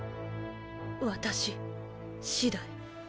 私次第？